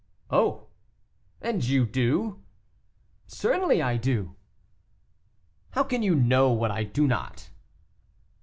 "Oh! and you do?" "Certainly I do." "How can you know what I do not?"